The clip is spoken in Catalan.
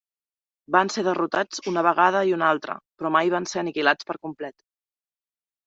Van ser derrotats una vegada i una altra, però mai van ser aniquilats per complet.